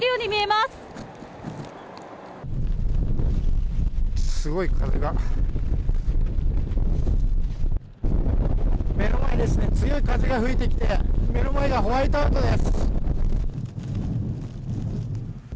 すごい風が、目の前ですね、強い風が吹いてきて、目の前がホワイトアウトです。